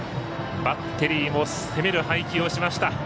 バッテリーも攻める配球をしました。